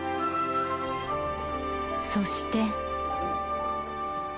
そして。